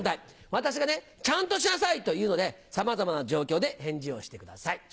私が、ちゃんとしなさいと言うので、さまざまな状況で返事をしてください。